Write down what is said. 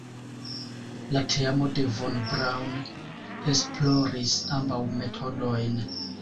La teamo de Von Braun esploris ambaŭ metodojn.